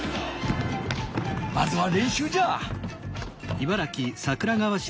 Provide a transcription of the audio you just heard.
まずはれんしゅうじゃ。